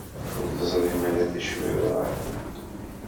Ur teẓrim ara d acu ay yeḍran.